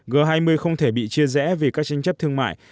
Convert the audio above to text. g hai mươi không thể bị chia rẽ vì các tranh chấp thương mại